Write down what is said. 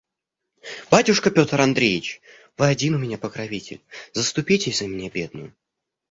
Батюшка Петр Андреич! вы один у меня покровитель; заступитесь за меня бедную.